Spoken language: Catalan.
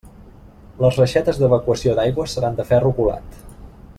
Les reixetes d'evacuació d'aigües seran de ferro colat.